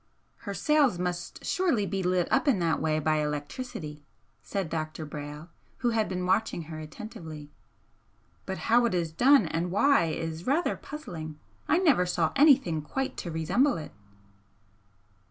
"Her sails must surely be lit up in that way by electricity" said Dr. Brayle, who had been watching her attentively "But how it is done and why, is rather puzzling! I never saw anything quite to resemble it."